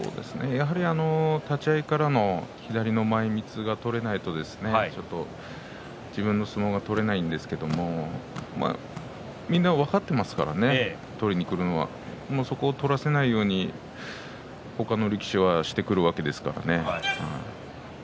やはり立ち合いからの左の前みつが取れないと自分の相撲が取れないんですがみんな分かっていますからね取りにくるのはそこを取らせないように他の力士はしてくるわけですから。